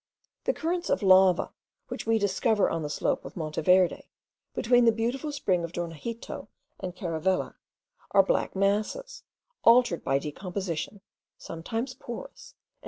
The currents of lava, which we discover on the slope of Monte Verde, between the beautiful spring of Dornajito and Caravela, are black masses, altered by decomposition, sometimes porous, and with very oblong pores.